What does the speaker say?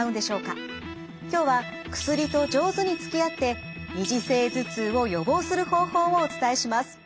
今日は薬と上手につきあって二次性頭痛を予防する方法をお伝えします。